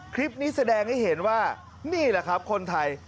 คลิปนี้แสดงให้เห็นว่านี่แหละครับคนไทย